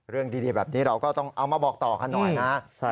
เรื่องดีแบบนี้เราก็ต้องเอามาบอกต่อกันหน่อยนะ